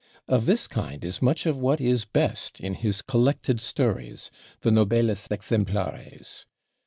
Of this kind is much of what is best in his collected stories, the 'Novelas Exemplares.'